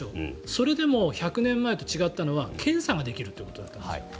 それでも１００年前と違ったのは検査ができるということだったんです。